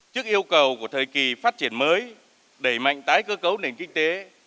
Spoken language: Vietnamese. trước yêu cầu của thời kỳ phát triển mới đẩy mạnh tái cơ cấu nền kinh tế